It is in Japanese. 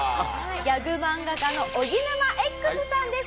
ギャグ漫画家のおぎぬまＸさんです。